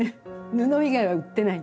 布以外は売ってない。